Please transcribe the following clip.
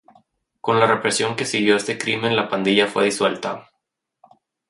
Con la represión que siguió este crimen la pandilla fue disuelta.